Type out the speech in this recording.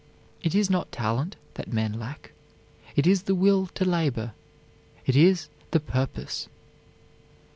"It is not talent that men lack, it is the will to labor; it is the purpose."